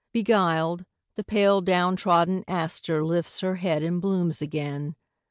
Beguiled, the pale down trodden aster lifts Her head and blooms again.